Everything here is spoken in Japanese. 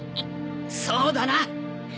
そうだな！